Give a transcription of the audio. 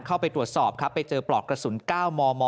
เข้าไปตรวจสอบครับไปเจอปลอกกระสุน๙มม